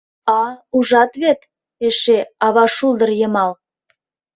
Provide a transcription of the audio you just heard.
— А ужат вет, эше «ава шулдыр йымал».